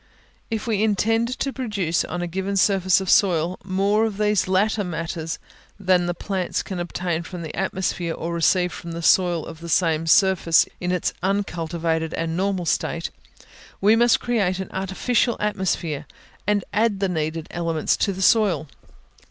If we intend to produce on a given surface of soil more of these latter matters than the plants can obtain from the atmosphere or receive from the soil of the same surface in its uncultivated and normal state, we must create an artificial atmosphere, and add the needed elements to the soil.